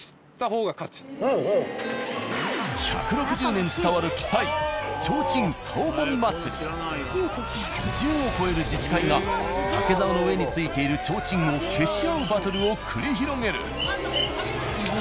１６０年伝わる１０を超える自治会が竹ざおの上に付いている提灯を消し合うバトルを繰り広げる。